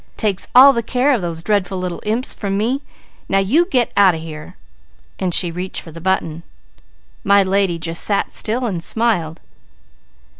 Takes all the care of those dreadful little imps from me. Now you get out of here.' And she reached for the button. My lady just sat still and smiled.